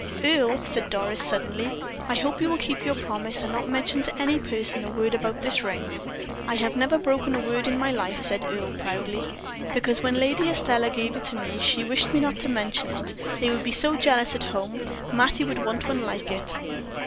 "Earle," said Doris, suddenly, "I hope you will keep your promise, and not mention to any person a word about this ring." "I have never broken my word in my life," said Earle, proudly. "Because, when Lady Estelle gave it to me, she wished me not to mention it; they would be so jealous at home. Mattie would want one like it."